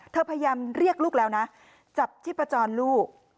พยายามเรียกลูกแล้วนะจับชีพจรลูก